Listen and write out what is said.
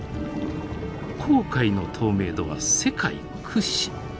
紅海の透明度は世界屈指。